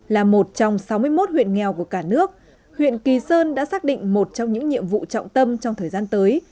là một trong sáu mươi một huyện nghèo của cả nước huyện kỳ sơn đã xác định một trong những nhiệm vụ trọng tâm trong thời gian tới